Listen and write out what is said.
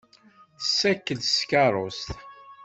Tessakel s tkeṛṛust.